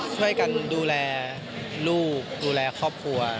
ช่วยกันดูแลลูกดูแลครอบครัว